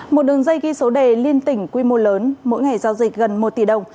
một đường dây ghi số đề liên tỉnh quy mô lớn mỗi ngày giao dịch gần một tỷ đồng